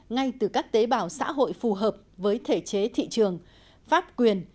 ngay từ các tế bào xã hội phù hợp với thể chế thị trường pháp quyền